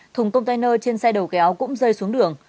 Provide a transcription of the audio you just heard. thùng container trên xe đầu kéo cũng rơi xuống đường